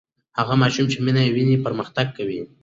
هغه ماشوم چې مینه ویني پرمختګ کوي.